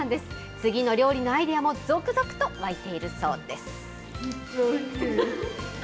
次の料理のアイデアも続々とわいているそうです。